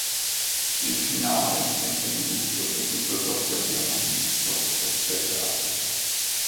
Il finale mette in dubbio che tutto ciò che abbiamo visto fosse reale.